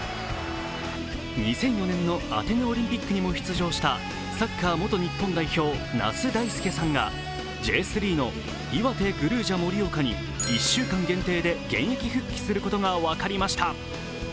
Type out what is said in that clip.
２００４年のアテネオリンピックにも出場したサッカー元日本代表、那須大亮さんがＪ３のいわてグルージャ盛岡に１週間限定で現役復帰することが分かりました。